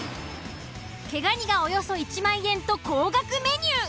毛蟹がおよそ１万円と高額メニュー。